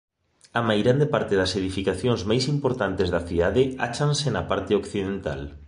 A maior parte das edificacións máis importantes da cidade áchanse na parte occidental.